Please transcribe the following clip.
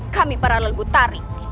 kami para lembut tarik